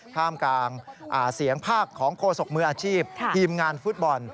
ท่ามกลางเสียงภาคของโฆษกมืออาชีพทีมงานฟุตบอล